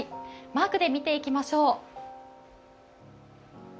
マークで見ていきましょう。